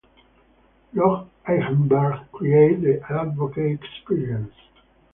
Rob Eichberg created "The Advocate Experience".